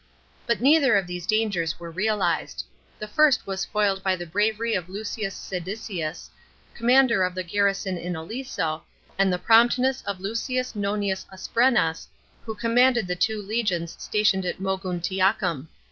But neither of these dangers was realised. The first was foiled by the bravery of Lucius Caedicius, commander of the garrison in Aliso, and the promptness of Lucius Nonius Asprenas, who commanded the two legions stationed at Moguntiacum.